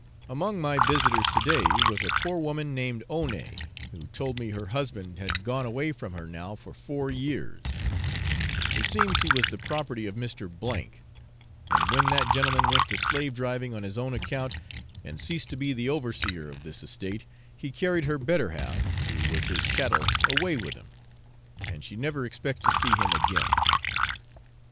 Among my visitors to day was a poor woman named Oney, who told me her husband had gone away from her now for four years; it seems he was the property of Mr. K , and when that gentleman went to slave driving on his own account, and ceased to be the overseer of this estate, he carried her better half, who was his chattel, away with him, and she never expects to see him again.